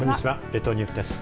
列島ニュースです。